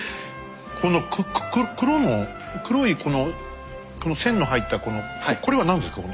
この黒の黒いこの線の入ったこのこれは何ですか？